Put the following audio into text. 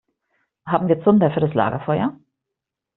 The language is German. Haben wir Zunder für das Lagerfeuer?